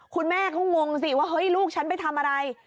คุณแม่ก็งงสิว่าเฮ้ยลูกฉันไปทำอะไร